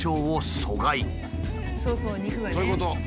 そういうこと。